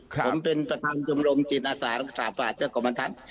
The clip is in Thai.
ผมเป็นประธานจำลงจีนอาศาสตร์ขอบคุณคุณท่าน